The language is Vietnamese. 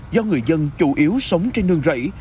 do người dân chủ yếu sống trên nương rẫy